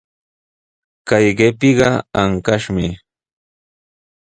Kay qipiqa ankashmi.